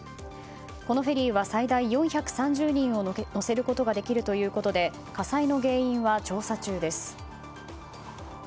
このフェリーは最大４３０人を乗せることができるということで火災の原因は調査中です。